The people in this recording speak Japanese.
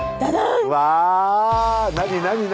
うわ何？